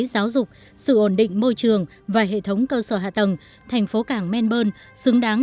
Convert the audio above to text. giáo dục sự ổn định môi trường và hệ thống cơ sở hạ tầng thành phố cảng menburne xứng đáng